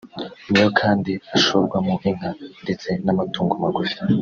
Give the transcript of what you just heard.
niyo kandi ashorwamo inka ndetse n’amatungo magufi